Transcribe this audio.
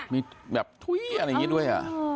มีแบบถุ้ยอะไรอย่างนี้ด้วย